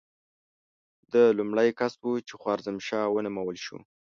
ده لومړی کس و چې خوارزم شاه ونومول شو.